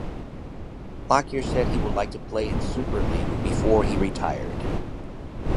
Lockyer said he would like to play in Super League before he retired.